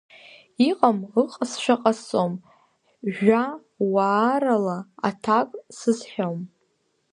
Иҟам ыҟазшәа ҟасҵом, жәа уаарала аҭак сызҳәом.